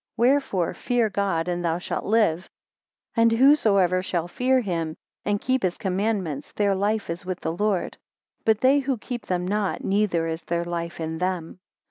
6 Wherefore, fear God and thou shalt live: and whosoever shall fear him, and keep his commandments, their life is with the Lord. But they who keep them not, neither is there life in them.